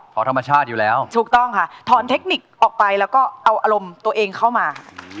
เพราะธรรมชาติอยู่แล้วถูกต้องค่ะถอนเทคนิคออกไปแล้วก็เอาอารมณ์ตัวเองเข้ามา